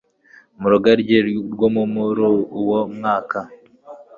Mu rugaryi rwo mu muru uwo mwaka